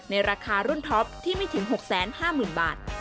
ในราคารุ่นท็อปที่ไม่ถึง๖๕๐๐๐บาท